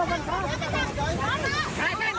สวัสดีครับ